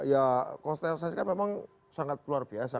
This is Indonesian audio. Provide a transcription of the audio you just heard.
ya konsentrasi saya kan memang sangat luar biasa